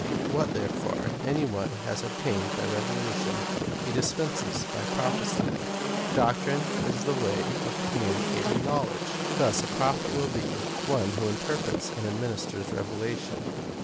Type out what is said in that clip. What, therefore, any one has ob tained by revelation, he dispenses by j^rophesying. Doctrine is the way of communicating knowledge. Thus a Prophet will be — one who interprets and administers revelation.